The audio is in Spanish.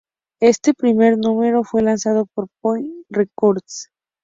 Este primer número fue lanzado por Polydor Records.